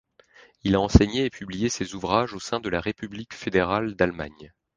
Il a enseigné et publié ses ouvrages au sein de la République fédérale d’Allemagne.